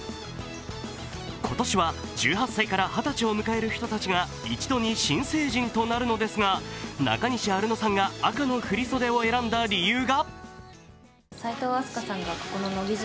今年は１８歳から二十歳を迎える人たちが一度に新成人となるのですが、中西アルノさんが赤の振り袖を選んだ理由が？